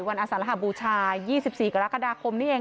อสารหบูชา๒๔กรกฎาคมนี้เอง